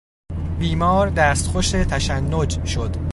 بیمار دستخوش تشنج شد.